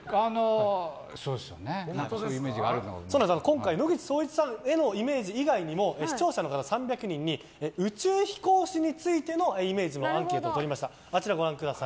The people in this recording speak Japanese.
今回、野口聡一さんへのイメージ以外にも視聴者の方３００人に宇宙飛行士についてのイメージのアンケートをとりました。